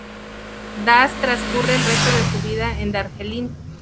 Das transcurre el resto de su vida en Darjeeling.